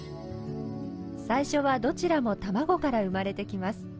最初はどちらも卵から生まれてきます。